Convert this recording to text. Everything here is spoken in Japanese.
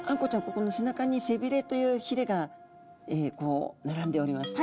ここの背中に背びれというひれが並んでおります。